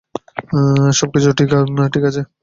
সব কিছু ঠিক আছে।